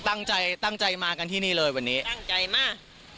ตั้งใจตั้งใจมากันที่นี่เลยวันนี้ตั้งใจมาก